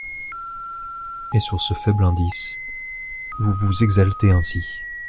Et sur ce faible indice, vous vous exaltez ainsi !